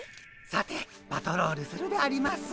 さてパトロールするであります。